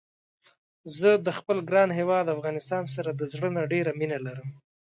زه د خپل ګران هيواد افغانستان سره د زړه نه ډيره مينه لرم